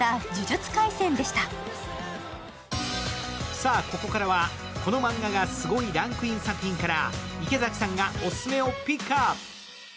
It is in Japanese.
さあここからは、このマンガがすごいランクイン作品から池崎さんがオススメをピックアップ。